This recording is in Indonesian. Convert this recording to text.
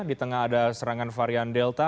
di tengah ada serangan varian delta